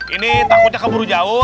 ini takutnya keburu jauh